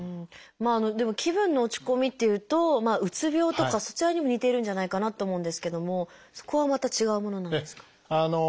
でも「気分の落ち込み」っていうとうつ病とかそちらにも似ているんじゃないかなって思うんですけどもそこはまた違うものなんですか？